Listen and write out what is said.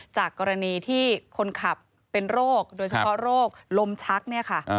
จากกรณีที่คนขับเป็นโรคโดยเฉพาะโรคลมชักเนี่ยค่ะ